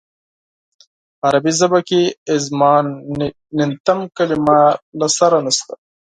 په عربي ژبه کې اظماننتم کلمه له سره نشته.